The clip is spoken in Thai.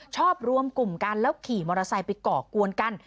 รวมกลุ่มกันแล้วขี่มอเตอร์ไซค์ไปก่อกวนกัน